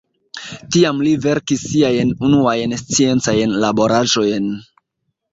Tiam li verkis siajn unuajn sciencajn laboraĵojn.